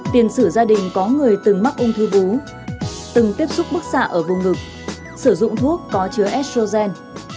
tiền sử gia đình có người từng mắc ung thư vú từng tiếp xúc bức xạ ở vùng ngực sử dụng thuốc có chứa shogen